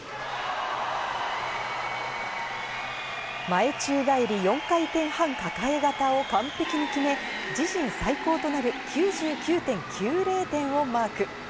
前宙返り４回転半抱え型を完璧に決め、自身最高となる９９．９０点をマーク。